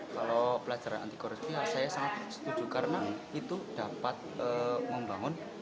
kalau pelajaran anti korupsi saya sangat setuju karena itu dapat membangun